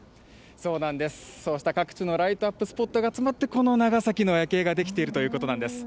そうした各地のライトアップスポットが集まってこの長崎の夜景が出来ているということなんです。